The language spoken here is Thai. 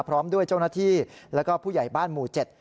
พร้อมด้วยเจ้าหน้าที่แล้วก็ผู้ใหญ่บ้านหมู่๗